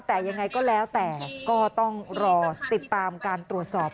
แต่ยังไงก็แล้วแต่ก็ต้องรอติดตามการตรวจสอบ